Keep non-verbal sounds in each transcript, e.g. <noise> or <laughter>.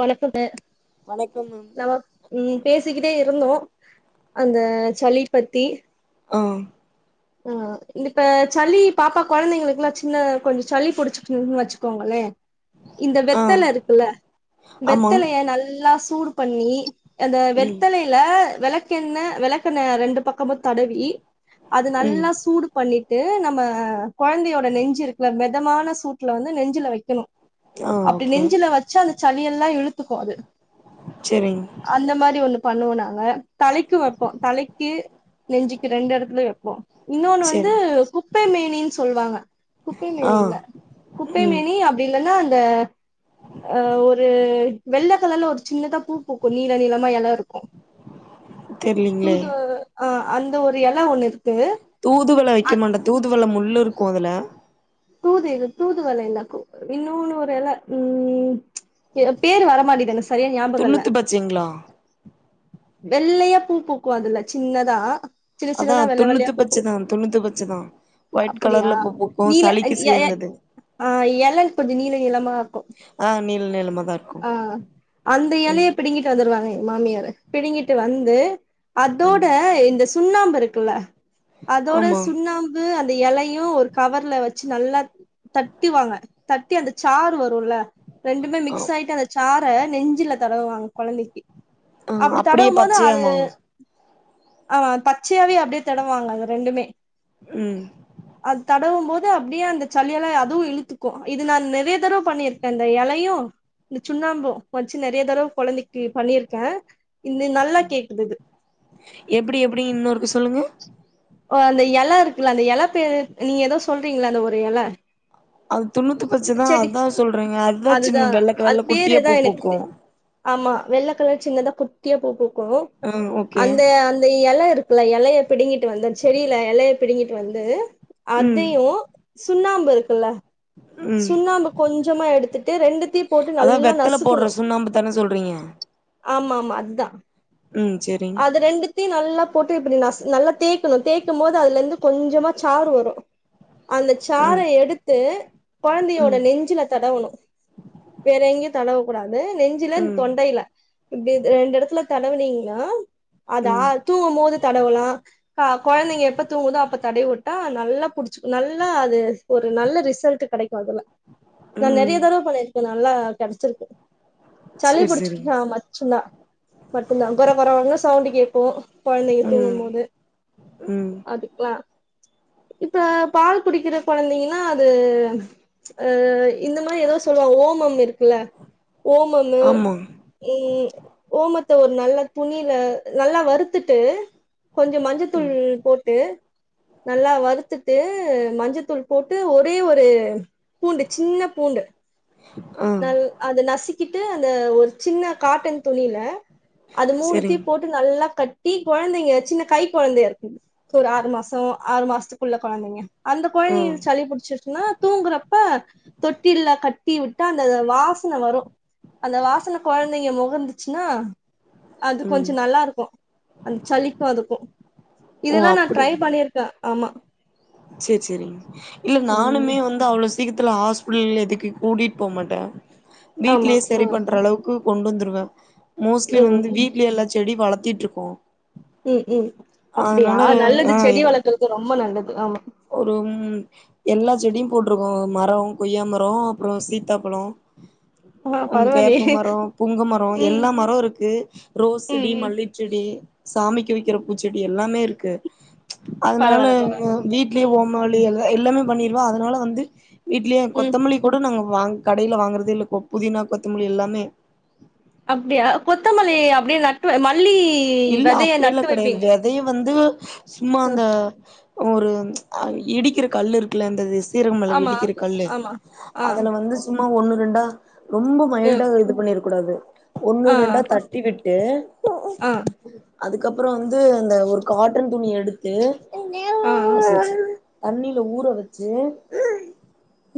ஒளப்புது வணக்கம் மேம் நம்ம ம் பேசிக்கிட்டே இருந்தோ அந்த சளி பத்தி ஆ ஆ இப்ப சளி பாப்பா கொழந்தைங்களுக் கெல்லா சின்ன கொஞ்சோ சளி புடிச்சிச்சுன்னு வச்சுக்கோங்களே இந்த ஆ வெத்தலருக்குல்ல ஆமா வெத்தலய நல்லா சூடு பண்ணி அந்த ம் வெத்தலைல வெளக்கெண்ண வெளக்கெண்ணய ரெண்டு பக்கமு தடவி அது ம் நல்லா சூடு பண்ணிட்டு நம்ம கொழந்தையோட நெஞ்சு இருக்குல மெதமான சூட்ல வந்து நெஞ்சில வெக்கணு ஆ அப்படி ஓகே நெஞ்சில வச்சு அந்த சளியெல்லா இழுத்துக்கு அது செரிங் அந்த மாரி ஒன்னு பண்ணுவோ நாங்க தலைக்கு வைப்போ தலைக்கு நெஞ்சுக்கு ரெண்டு இடத்துலய வைப்போ ஒ இன்னோன்னு வந்து செரி குப்பை மேனின் சொல்லுவாங்க குப்பை ஆ மேனீஇல்ல ம் குப்பைமேனி அப்டி இல்லன்னா அந்த அ ஒரு வெள்ள கலர்ல ஒரு சின்னதா பூ பூக்கும் நீள நீளமா இல்ல இருக்கு தெர்லீங்ளே தூது அ அந்த ஒரு எல ஒண்ணு இருக்கு தூதுவள வெக்கமாட்டே தூதுவள முள்ளுருக்கு அதுல தூது இது தூது வல இல்ல கு இன்னொன்னுர ஒரு எல ம் ஏ பேரு வர மாட்டின்து என்ன துண்ணூத்து பச்சைங்ளா வெள்ளையா பூ பூக்கு அதுல சின்னதா சின்ன அதா சின்னதா வெள்ள வெள்ளையா துண்ணுத்து பூ பூக்கு பச்சதா துண்ணுத்து பச்சதா ஒயிட் அப்டியா கலர்ல பூ பூக்கு சளிக்கு சேர்ந்தது அ எலள் கொஞ்சோ நீள நீளமாருக்கு ஆ நீள நீளமாதாருக் ஆ அந்த எலய பிடுங்கிட்டு வந்துருவாங்க எங்மாமியாரு பிடுங்கிட்டு வந்து அதோட ம் இந்த சுண்ணாம்புருக்குல்ல அதோட ஆமா சுண்ணாம் பு அந்த எலயு ஒரு கவர்ல வச்சு நல்லா தட்டுவாங்க தட் டி அந்த சாறு வருல்ல ரெண்டுமே ஆ மிக்ஸ் ஆயிட்டு அந்த சார நெஞ்சில தடவுவாங்க கொழந்தைக்கி ஆ அப்டி அப்டியே தடவும்போது அது பச்சையாமா ஆமா பச்சையாவே அப்டியே தடவுவாங்க அத ரெண்டுமே ம் அது தடவும்போது அப்டியே அந்த சளியெல்லா அதுவு இழுத்துக்கு இது நான் நெறைய தடவ பண்ணிருக் அந்த எலையு இந்த சுண்ணாம்பு வச்சு நெறைய தடவ கொழந்தைக்கு பண்ணிருக்கே இந்து நல்லா கேக்குது இது எப்டி எப்டி இன்னொருக்க சொல்லுங்க ஓ அந்த எல இருக்குல்ல அந்த எல பேரு நீங்க ஏதோ சொல்றீங்கள்ள அந்த ஒரு எல அது துண்ணூத்து பச்சதா செடி அதா சொல்றேங்க அதா அதுதா சின்ன வெள்ள அது கலர்ல பேரு குட்டியா ஏதா பூ எனக்கு பூக்கு தெ ஆமா வெள்ள கலர் சின்னதா குட்டியா பூ பூக்கு ஆ ஓகே அந்த அந்த எலருக் குள்ள எலைய பிடுங்கிட்டு வந்து செடியில எலைய பிடுங்கிட்டு வந்து ம் அதையு சுண்ணாம்பு இருக்குல்ல ம் சுண்ணாம்பு கொஞ்சமா எடுத்துட்டு ரெண்டுத்தியு போட்டு அதா நல்லா வெத்தல போடுற நசுக்கணு சுண்ணாம்பு தான சொல்றீங்க ஆமா ஆமா அத்தா ம் சேரிங் அது ரெண்டுத் தி நல்லா போட்டு இப்டி நசு நல்லா தேய்கணு தேய்கும் போது அதுலருந்து கொஞ்சமா சாறு வரு அந்த சார ம் எடுத்து கொழந்தையோட ம் நெஞ்சில தடவணு வேற எங்கயு தடவ கூடாது நெஞ்சுல ம் இந்தொண்டையில இப்டி ரெண்டு எடத்துல தடவுனீங்கனா அதா ஆ ம் தூங்கும் போது தடவலா ஆஹ் கொழந்தைங்க எப்ப தூங்குதோ அப்ப தடவிட்டா நல்லா புடிச்சி நல்லா அது ஒரு நல்ல ரிசல்ட்டு் கெடைக்கு அதுல நா ம் நெறைய தடவ பண்ணிருக்கே நல்லா கெடச்சிருக்கு சலி சேரி சேரிங் பிடிச்சுக்குனா மச்சுந்தா மட்டுந்தா கோரகோரவுனா சவுண்டு கேட்கும் கொழந்தைங்க ம் தூங்கும் போது ம் அதுக்லா இப்ப பால் குடிக்கிற கொழந்திங்கன்னா அது அஹ் இந்த மாரி ஏதோ சொல்லுவாங்க ஓமம் இருக்குல்ல ஓமம்மு ஆமா ம் ஓமத்த ஒரு நல்ல துணியில நல்லா வருத்துட்டு கொஞ்சோ மஞ்சத்தூள் ம் போட்டு நல்லா வருத்துட்டு மஞ்சத்தூள் போட்டு ஒரே ஒரு பூண்டு சின்ன பூண்டு ஆ கள் அத நசிக்கிட்டு அந்த ஒரு சின்ன காட்டன் துணியில அது மூணுத்தையு சேரிங் போட்டு நல்லா கட்டி கொழந்தைங்க சின்ன கை கொழந்தையா இருக்கு ஒரு ஆறு மாசோ ஆறு மாசத்துக்குள்ள கொழந்தைங்க அந்த ம் கொழந்தைகளுக்கு சளி புடிச்சுருச்சுன்னா தூங்குறப்ப தொட்டில்ல கட்டி விட் த அந்த வாசன வரு அந்த வாசன கொழந்தைங்க முகந்துச்சுன்னா அது கொஞ்சோ ம் நல்லாருக்கு அந்த சளிக்கு அதுக்கு ஓ இதுல்லா நா ட்ரை பண்ணிருக்கே ஆமா சேரி சேரிங் இல்ல நானுமே ம் வந்து அவ்ளோ சீக்ரத்துல ஹாஸ்பிடல் எதுக்கு கூட்டிட்டு போக மாட்டே ஆமா வீட்லயே ஆ சரி பண்ற அளவு க்கு கொண்டு வந்துருவே மோஸ்ட்லி ம் வந்து வீட்லயே எல்லா செடி வளத்திட்ருக்கோ ம் ம் அப்டியா அதனால நல்லது செடி வளக்கறது ரொம்ப நல்லது ஆமா ஒரும் எல்லா செடியு போட்ருக்கோ மரோ கொய்யா மரோ அப்றோ சீத்தாப்பழோ ஆ ம் வேப்ப பரவாயில்லையே மரோ புங்கமரோ ம் எல்லா மரோ இருக்கு ரோஸ் ம் செடி ம் மல்லிப் ச்செடி சாமிக்கி வெக்கிற பூச்செடி எல்லாமே இருக்கு அதனால பரவால்ல பரவால்ல வீட்லயே ம் ஓமாளி எல்லாமே பண்ணிருவா அதனால வந்து வீட்லயே ம் கொத்தமல்லி கூட நாங்க வாங் கடைல வாங்கறதே இல்ல கொ புதினா கொத்தமல்லி எல்லாமே அப்படியா கொத்தமல்லி அப்டியே நட்டு மல்லி வெதைய நட்டு வெப்பீங்க அதயு வந்து சும்மா அந்த ஒரு இடிக்கிற கல் இருக்குல அந்த சீரகமிளகு ஆமா இடிக்கிற கல்லு ஆமா ஆ அதுல வந்து சும்மா ஒண்ணு ரெண்டா ரொம்ப ம் மைல்டா இது பண்ணிர கூடாது ஒண்ணு ரெண்டா தட்டி விட்டு ம் அதுக்கப்றோ வந்து அந்த ஒரு காட்டன் துணி எடுத்து ஆ தண்ணில ஊற வெச்சு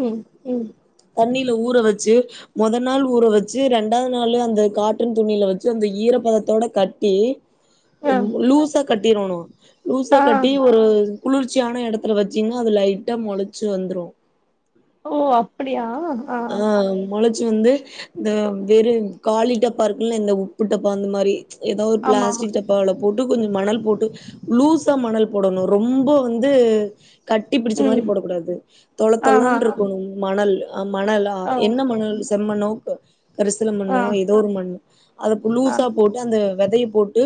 ம் ம் தண்ணீல ஊற வெச்சு மொத நாள் ஊற வெச்சு ரெண்டாவது நாள் அந்த காட்டன் துணியில வெச்சு அந்த ஈரப்பதத்தோட கட்டி <inaudible> லூசா கட்டிரோணு லூசா ஆ கட்டி ஒரு குளிர்ச்சியான எடத்துல வெச்சிங்கன்னா அது லைட்டா மமொளச்சு வந்துரு ஓ அப்படியா ஆ மொள ளச்சு வந்து இந்த வெறு காலி டப்பா இருக்குல்ல இந்த உப்பு டப்பா அந்த மாரி எதா ஒரு ஆமா ஆமா பிளாஸ்டிக் டப் ப்பல போட்டு கொஞ்சோ மணல் போட்டு லூஸா மணல் போடணு ரொம்ப வந்து கட்டி பிடிச்ச மாரி ம் போடக் கூடாது தொள ஆ ஆ தொளன்னு இருக்கணு மணல் மணல ஆ என்ன மணல் செம்மண்ணோ கரிசல ஆ மண்ணோ ஏதோ ஒரு மண்ணு அத ஆ லூசா போட்டு அந்த வெதைய போட்டு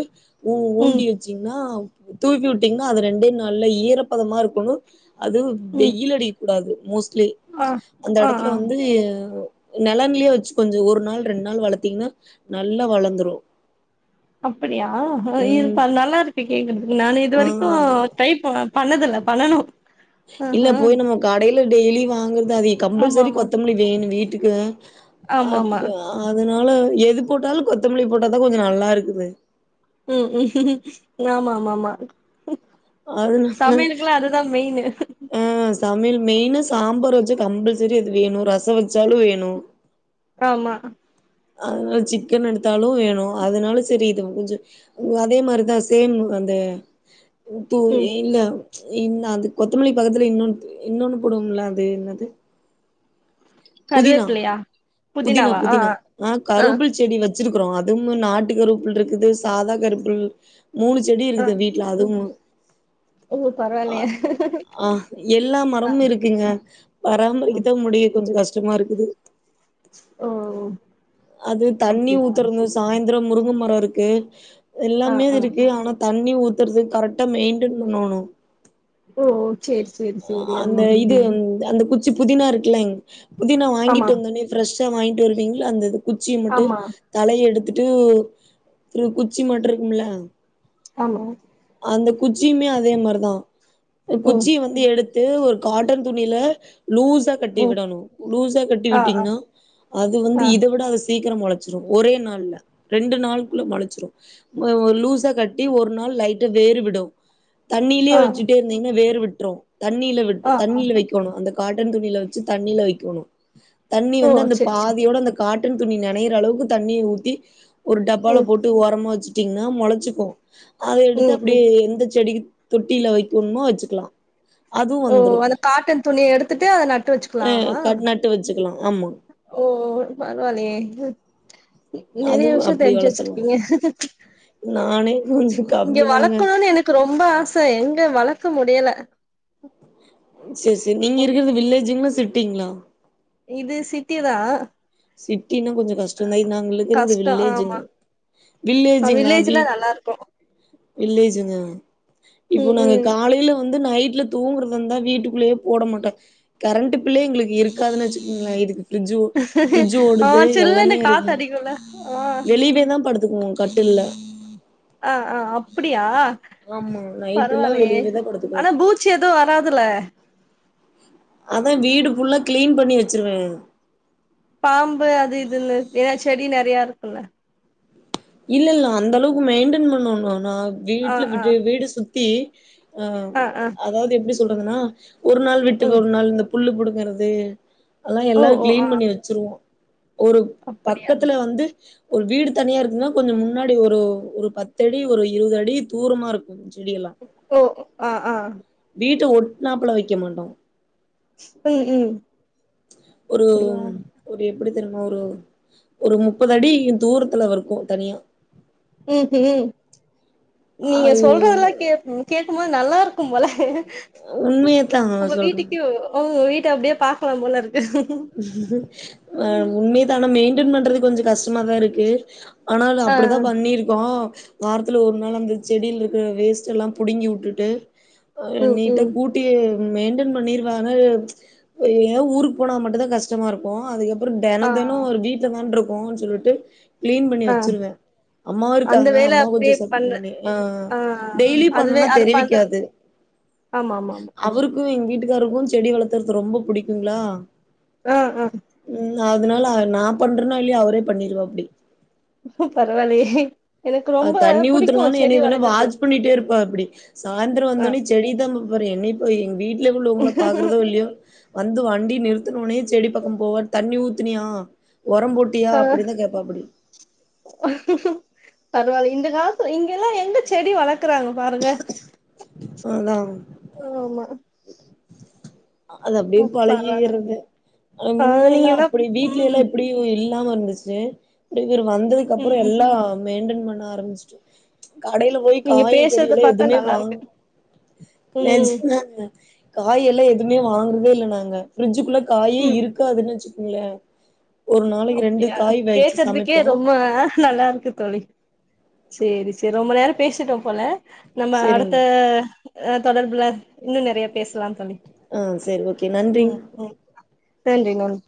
ஊ ம் ஊண்டி வெ ச்சிங்கனா தூவி வுட்டீங்ன்னா அது ரெண்டே நாள்ள ஈரப்பதமா இருக்கணு அது ம் வெயில் அடிக்கக்க கூடாது மோஸ்ட்லி ஆ அந்த ஆ எடத் ஆ நெலல்லியே வச்சு கொஞ்சோ ஒரு நாள் ரெண்டு நாள் வளத்தீங்கன்னா நல்லா வளந்துரு அப்டியா இது ம் நல்லாருக்கு கேக்கறதுக்கு நானு இது ஆ வரைக்கு ட்ரை ப பண்ணதுல பண்ணணு இல்ல போய் நம்ம கடையில டெய்லி வாங்கறது அதை ஆமா கம்பல்சரி ஆமா கொத்தமல்லி வேணு வீட்டுக்கு அ ஆமா ஆமா அதுனால எது போட்டாலு கொத்தமல்லி போட்டாதா கொஞ்ச நல்லா இருக்குது ம் ஆமா ஆமா ஆமா அதனால சமையலுக்குல்லா அதுதா மெயினு ஆ சமையல் மெயினு சாம்பார் வச்சா கம்பல்சரி அது வேணு ரசொ வச்சாலு வேணு ஆமா அதுனால சிக்கன் எடுத்தாலு வேணு அதுனால சரி இது கொஞ்சோ உ அதே மாரிதா சேம் அந்த து ம் இல்ல இன் அது கொத்தமல்லி பக்கத்துல இன்னோன்னு து இன்னோன் போடுவோம்ல அது என்னது புதினா கருவேப்பிலையா புதினா புதினாவா ஆ புதினா நா ஆ ஆ கருவப்பில செடி வச் வச்சுருக்குறோ அதுவு நாட்டு கருவப்பில் இருக்குது சாதா கருவப்பில் மூணு செடி ஆ இருக்குது வீட் ல அதுவு ஓ பரவால்லயே அ எல்லா மரமு இருக்குங்க ம் பராமரிக்கத்தா முடிய கொஞ்சோ கஷ்டமா இருக்குது ஓ அது தண்ணி அப்டியா ஊத்துறகோ சாய்ந்தரோ முருங்க மரோ இருக்கு ஆ எல்லாமே ஆ இருக்கு ஆனா தண்ணி ஊத்தறது கரெக்டா மெயின்டன் பண்ணோணு ஓ சேரி சேரி சேரி அந்த ஆமா இது அந்த குச் சி புதினா இருக்குலங் புதினா ஆமா வாங்கிட்டு வந்தோனே பிரஷ்ஷா வாங்கிட்டு வருவீங்களா அந்த இது குச்சிய மட்டு ஆமா தலைய எடுத்துட்டு ஒரு குச்சி மட்டு இருக்கும்ல ஆமா அந்த குச்சியுமே அதே மாரிதா ஒரு ம் குச்சிய வந்து எடுத் து ஒரு கார்டன் துணில லூசா கட்டி ம் விடணு லூசா ஆ ஆ கட்டிவிட்டீங்னா அது வந்து ஆ இத விட சீக்கரோ மொளச்சுரு ஒரே நாள்ல ரெண்டு நாள் குள்ள மொளச்சுறு வ வ லூஸா கட்டி ஒரு நாள் லைட்டா வேறு விடு தண்ணீலயே ஆ வச்சுட்டே இருந்தீங்கன்னா வேறு விட்று தண்ணீல விட் ஆ ஆ தண்ணீல வைக் கோனு அந்த காட்டன் துணில வச்சு தண்ணீல வைக்கோணு தண்ணி ஓ வந்து அந்த சேரி சேரி பாதியோட அந்த காட் டன் துணி நனையிற அளவுக்கு தண்ணிய ஊத்தி ஒரு டப்பால ம் போட்டு ஓரமா வச்சுட்டீங்னா மொளச்சுக்கு அத எடுத்து ம் அப்டியே ம் எந்த செடிக்கு தொட்டில வைக்கணுமோ வச்சுக்கலா அதுவு ஓ வந்துரு அந்த காட்டன் துணிய எடுத்துட்டு அத நட்டு அ வச்சுகலாமா கட் நட்டு வச்சுக்கலா ஆமா ஓ ஓ பரவால்லயே நெறைய அதுவு விஷயோ அப்டி தெருஞ்சு வளத்தலா வச்சிருக்கீங்க நானே கொஞ்சோ இங்க கம்மி தாங்க வளக்கணுனு எனக் கு ரொம்ப ஆச எங்க வளக்க முடியல சேர் சேர் நீங்க இருக்கிறது வில்லேஜுங்களா சிட்டிங்ளா இது சிட்டி தா சிட்டினா கொஞ்சோ கஷ் ஸ்டந்தா நாங்க இருக்கறது கஷ்டம் ஆமா வில்லேஜுங்க வில்லேஜுங்னா வில்லேஜ்ல வீட் நல்லா இருக்கும் வில்லேஜுங்க இப்ப ம் நாங்க ம் காலேல வந்து நைட்ல தூங்குறது இருந்தா வீட்டுக்குள்ளயே போட மாட்டோ கரண்ட் பிள்ளே எங்களுக்கு இருக்காதுன் வச்சுக்கோங்களே இதுக்கு பிரிஜ்ஜு பிரிஜ் ஆ ஓடுது சில்லுன்னு எல்லாமே காத்து இருக்கு அடிக்கும்ல ஆ வெளியவே தா படுத் துகுவோ கட்டில்ல ஆ ஆ அப்டியா ஆமா நைட் எல்லா பரவால்லயே வெளியவே தா படுத்துக்குவோ ஆனா பூ ச்சி எது வராதுல அதா வீடு ஃபுல்லா கிளீன் பண்ணி வச்சுருவே பாம்பு அது இதுன்னு ஏன்னா செடி நெறைய இருக்குல்ல இல்ல இல்ல அந்த அளவுக்கு மெயின்டென் பண்ணனு நா ஆ வீட்ல ஆ விட்டு வீடு சுத்தி ஆ அதாவது எப்டி சொல்றதுன்னா ஒரு நாள் விட்டு ம் ஒரு நாள் இந்த புல்லு புடுங்குறது அதல்லா ஓ எல்லா ஓ ஆ கிளீன் பண்ணி வச்சிருவோ ஒரு அப்டியா பக்கத்துல வந்து ஒரு வீடு தனியா இருக்குன்னா கொஞ்சோ முன்னாடி ஒரு ஒரு பத்தடி ஒரு இருவது அடி தூரமா இருக் கு செடியெல்லா ஓ ஆ ஆ வீட்ட ஒட்நாப்ல வைக்க மாட்டோ ம் ம் ஒரு அப்டியா ஒரு எப்டி தெரியுமா ஒரு ஒரு முப்பது அடி தூரத்துல வருக்கு தனியா ம் ம் நீங்க அது சொல்றதெல்லா கேக் கேக்கும்போது நல்லா இருக் கும் போல உண்மையத்தா உங்க சொல்றே. வீட்டுக்கு உங்க வீட்ட அப்டியே பாக்கலாம் போல இருக்கு ஆ ம் உண்மை தான மெயின்டென் பண்றது கொஞ்சோ கஷ்டமாதா இருக்கு ஆனாலு ஆ அப்டித்தா பண்ணிருக்கோ வாரத்துல ஒரு நாள் அந்த செடில இருக்குற வேஸ்ட்டெல்லா புடுங்கி உட்டுட்டு ஆ ம் நீட்டா ம் கூட் டி மெய்ன்டென் பண்ணிர்வே ஆனா எங்கா ஊருக்கு போனா மட்டு தா கஷ்டமா இருக்கு அதுக்குகப் பறோ தெனோ ஆ தெனோ ஒரு வீட்ல தான இருக்கோன்னு சொல்ட்டு கிளீன் பண்ணி ஆ வச்சிருவே அம்மாவு அந்த இருக்காங்க வேல அம்மா கொஞ்சோ அப்டியே பண்ண சப்போர்ட் பண்ணி ஆ டெய்லி அதுவே பண்ணுனா அது பண்றதுக்கு தெரிவிக்காது ஆமா ஆமா ஆமா க்கு எங்க வீட்டுக்காருக்கு செடி வளத்துறது ரொம்ப புடிக்குங்ளா ஆ ஆ ம் அதனால அத நா பண்றேனோ இல்லயோ அவரே பண்ணிருவாப்டி பரவாயில்லயே எனக்கு அது ரொம்ப தண்ணி புடிக்கு ஊத்துனாலு செடி என்னய வேணா வளக்கறது வாட்ச் பண்ணிட்டே இருப்பாப்டி சாய்ந்தரோ ஆ வந்த ஒன்னே செடியதா பாப்பாரு என்னய பா எங்க வீட்ல உள்ளவங்கள பாக்குறதோ இல்லையோ வந்து வண்டி நிறுத்துன ஒன்னயே செடி பக்கம் போவார் தண்ணி ஊத்துனியா ஒரம் போட் டியா அப்டிதா கேப்பாப்டி பரவாயில்ல இந்த காலத்து இங்கெல்லா எங்க செடி வளக்குறாங்க பாருங்க அதா ஆமா அது அப்டியே ம் பரவால பழகீர்றது அது ஆ முன்ன எல்லா நீங்கதா அப்டி வீட்ல எல்லா ம் இப்டியு இல்லாம இருந்துச்சு இவரு வந்ததுக்கு அப்பறோ ம் எல்லா மெய்ன்டென் பண்ண ஆரம்பிச்டே கடைல போய் நீங்க காய் பேசுறத கறிலா பாத்தா எதுவுமே நல்லா வாங் இருக்கு ம் நெஜந்தாங்க காய் எல்லா எதுவுமே வாங்குறதே இல்ல நாங்க ஃபிரிட்ஜுக்குள்ள காயே ம் இருக்காதுன்னு வச்சுக்கோங்களே ஒரு நாளைக்கு ரெண்டு அப்டியா காய் வச்சு கேக்குறதுக்கே சமைப்போ ரொம்ப நல்லா இருக்கு தோழி சேரி சேரி ரொம்ப நேரோ பேசிட்டோ போல நம்ம செரிங் அடுத்த தொடர்புல இன்னு நெறையா பேசலா தோழி ஆ செரி ஓகே நன்றி ம் ம் நன்றி நன்றி